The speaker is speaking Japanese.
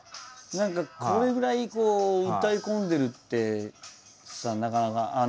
何かこれぐらいこう歌い込んでるってさなかなか。